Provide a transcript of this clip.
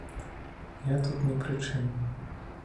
Я тут ні пры чым.